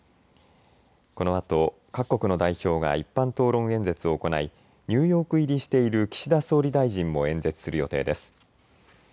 このあと各国の代表が一般討論演説を行いニューヨーク入りしている岸田総理大臣も演説する予定です。